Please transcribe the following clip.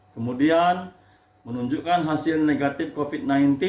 kemudian menunjukkan hasil negatif covid sembilan belas